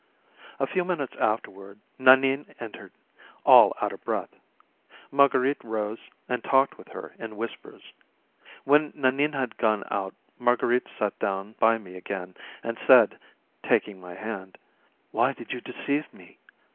A few minutes afterward Nanine entered, all out of breath. Marguerite rose and talked with her in whispers. When Nanine had gone out Marguerite sat down by me again and said, taking my hand: "Why did you deceive me?